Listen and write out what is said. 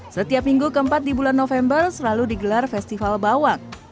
setiap minggu keempat di bulan november selalu digelar festival bawang